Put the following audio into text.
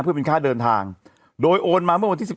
เพื่อเป็นค่าเดินทางโดยโอนมาเมื่อวันที่๑๘